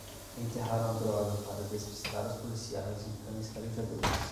Enterraram a droga para despistar os policiais e cães farejadores